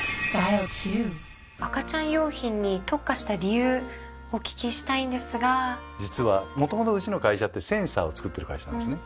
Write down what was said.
赤ちゃん用品に特化した理由お聞きしたいんですが実はもともとうちの会社ってセンサーを作ってる会社なんですね。